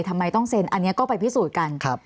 ทำไมต้องเซ็นอันนี้ก็ไปพิสูจน์กัน